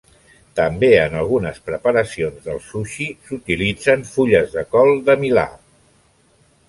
També en algunes preparacions del sushi s'utilitzen fulles de col de Milà.